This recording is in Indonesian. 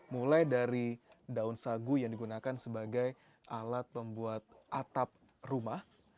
mulai dari daun sagu yang digunakan sebagai alat pembuat atap rumah